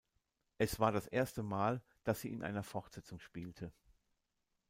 Es war das erste Mal, dass sie in einer Fortsetzung spielte.